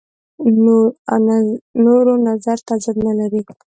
نورو نظر تضاد نه لري.